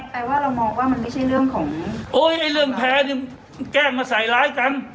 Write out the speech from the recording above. แปลว่าเรามองว่ามันไม่ใช่เรื่องของโอ้ยไอ้เรื่องแพ้นี่แกล้งมาใส่ร้ายกัน